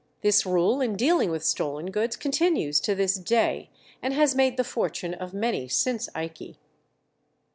This rule in dealing with stolen goods continues to this day, and has made the fortune of many since Ikey.